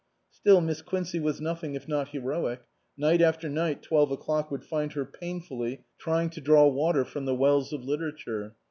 Still Miss Quincey was nothing if not heroic ; night after night twelve o'clock would find her pain fully trying to draw water from the wells of literature.